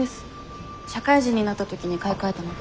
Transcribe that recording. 社会人になった時に買い替えたので。